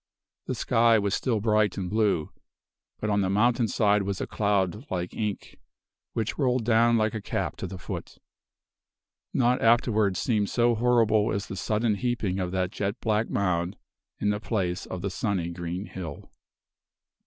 The sky was still bright and blue, but on the mountain side was a cloud like ink, which rolled down like a cap to the foot. Naught afterwards seemed so horrible as the sudden heaping of that jet black mound in the place of the sunny, green hill.